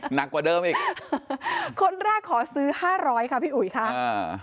หนักกว่าเดิมอีกคนแรกขอซื้อห้าร้อยค่ะพี่อุ๋ยค่ะอ่า